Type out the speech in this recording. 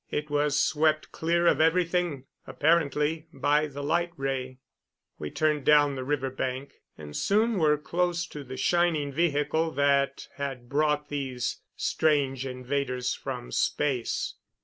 It was swept clear of everything, apparently, by the light ray. We turned down the river bank, and soon were close to the shining vehicle that had brought these strange invaders from space.